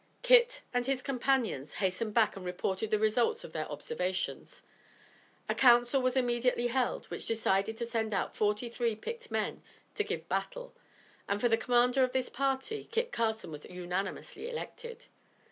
Kit and his companions hastened back and reported the results of their observations. A council was immediately held which decided to send out forty three picked men to give battle; and, for the commander of this party, Kit Carson was unanimously elected.